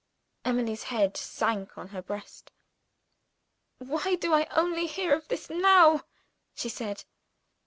Emily's head sank on her breast. "Why do I only hear of this now?" she said.